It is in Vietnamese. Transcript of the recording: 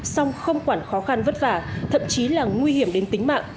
song không quản khó khăn vất vả thậm chí là nguy hiểm đến tính mạng